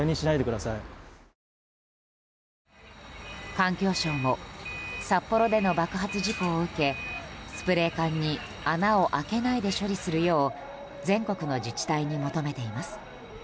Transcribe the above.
環境省も札幌での爆発事故を受けスプレー缶に穴を開けないで処理するよう全国の自治体に求めています。